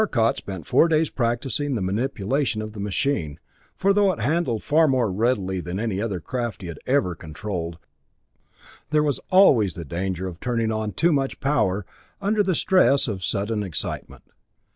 Arcot spent four days practicing the manipulation of the machine, for though it handled far more readily than any other craft he had ever controlled, there was always the danger of turning on too much power under the stress of sudden excitement.